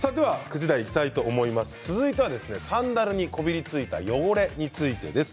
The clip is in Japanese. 続いてはサンダルにこびりついた汚れについてです。